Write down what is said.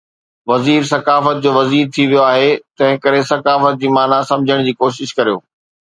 وزير ثقافت جو وزير ٿي ويو آهي، تنهنڪري ثقافت جي معنيٰ سمجهڻ جي ڪوشش ڪريو.